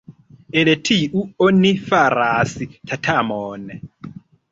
El tiu oni faras tatamon.